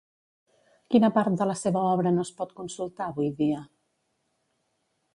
Quina part de la seva obra no es pot consultar avui dia?